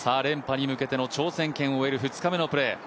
連覇に向けての挑戦権を得る２日目のプレー。